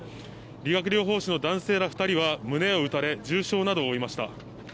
理学療法士の男性ら２人が胸を撃たれ重傷などを負いました。